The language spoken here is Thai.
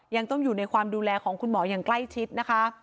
ยังต้องอยู่ในความดูแลของคุณหมออย่างใกล้ชิดนะคะ